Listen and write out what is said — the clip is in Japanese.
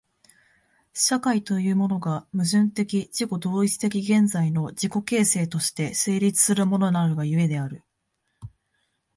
社会というものが、矛盾的自己同一的現在の自己形成として成立するものなるが故である。